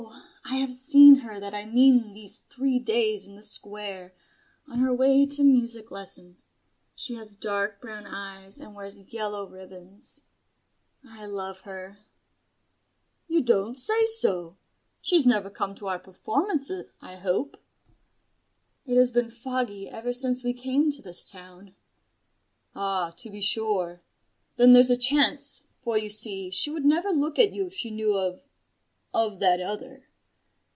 I have seen her that I mean these three days in the Square, on her way to music lesson. She has dark brown eyes and wears yellow ribbons. I love her." "You don't say so! She has never come to our performance, I hope." "It has been foggy ever since we came to this town." "Ah, to be sure. Then there's a chance: for, you see, she would never look at you if she knew of of that other.